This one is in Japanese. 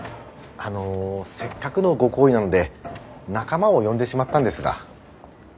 あのせっかくのご厚意なので仲間を呼んでしまったんですが。